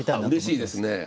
うれしいですね。